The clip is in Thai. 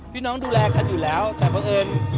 พี่น้องดูแลแร่ค่ะอยู่แล้วแต่เบาเอิญ